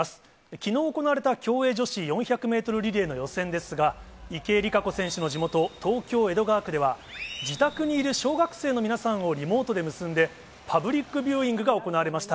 きのう行われた競泳女子４００メートルリレーの予選ですが、池江璃花子選手の地元、東京・江戸川区では、自宅にいる小学生の皆さんをリモートで結んで、パブリックビューイングが行われました。